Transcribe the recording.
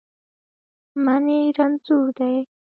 منی رنځور دی